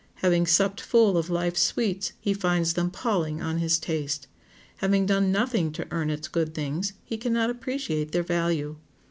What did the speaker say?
Having supped full of life's sweets he finds them palling on his taste; having done nothing to earn its good things he can not appreciate their value.